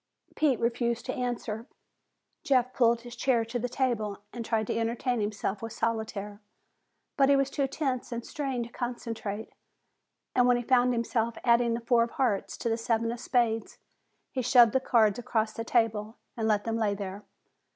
Pete refused to answer. Jeff pulled his chair to the table and tried to entertain himself with solitaire. But he was too tense and strained to concentrate, and when he found himself adding the four of hearts to the seven of spades, he shoved the cards across the table and let them lay there.